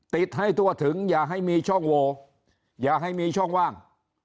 ติดให้ทั่วถึงอย่าให้มีช่องโวอย่าให้มีช่องว่าง